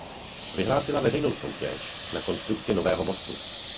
Vyhlásila veřejnou soutěž na konstrukci nového mostu.